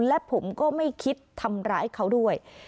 และผมก็ไม่คิดทำร้ายเขาด้วย